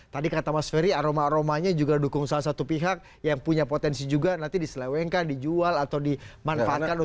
tadi kata mas ferry aroma aromanya juga dukung salah satu pihak yang punya potensi juga nanti diselewengkan dijual atau dimanfaatkan untuk